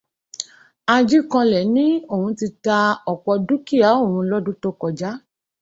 Ajíkanlẹ̀ ní òun ti ta ọ̀pọ̀ dúkìá òun lọ́dún to kọjá.